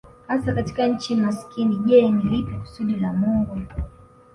hasa katika nchi masikini Je ni lipi kusudi la Mungu